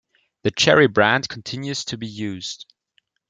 The Cherry brand continues to be used.